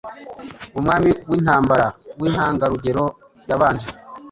Umwami wintambara wintangarugero yabanje